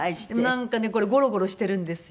なんかねこれゴロゴロしてるんですよ。